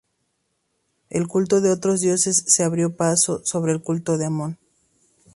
El culto de otros dioses se abrió paso sobre el culto de Amón.